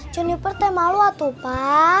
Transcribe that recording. jennifer teh malu lah tuh pa